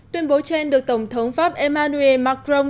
tuyên bố trên được tổng thống pháp emmanuel macron